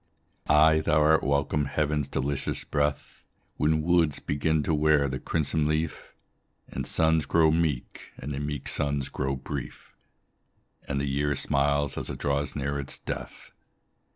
Ay, thou art welcome, heaven's delicious breath, When woods begin to wear the crimson leaf, And suns grow meek, and the meek suns grow brief, And the year smiles as it draws near its death.